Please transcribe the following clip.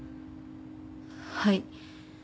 はい。